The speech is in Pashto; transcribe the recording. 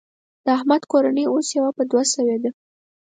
د احمد کورنۍ اوس يوه په دوه شوېده.